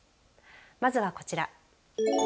まずはこちら。